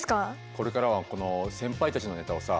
これからはこの先輩たちのネタをさ